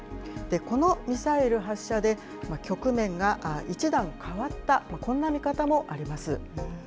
このミサイル発射で、局面が一段変わった、こんな見方もあります。